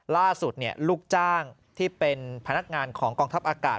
ล่าสุดลูกจ้างที่เป็นพนักงานของกองทัพอากาศ